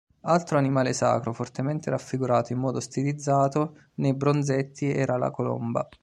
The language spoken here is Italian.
Altro animale sacro fortemente raffigurato in modo stilizzato nei bronzetti era la colomba.